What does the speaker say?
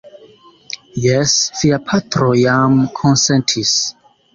Jes, via patro jam konsentis.